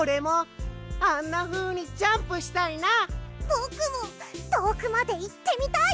ぼくもとおくまでいってみたい！